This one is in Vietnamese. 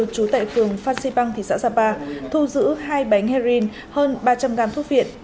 chú tại phường phan xê băng thị xã sapa thu giữ hai bánh heroin hơn ba trăm linh gam thuốc viện